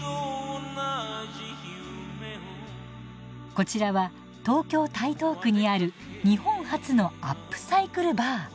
こちらは東京・台東区にある日本初のアップサイクルバー。